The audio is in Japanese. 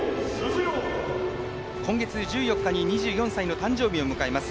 今月１４日に２４歳の誕生日を迎えます。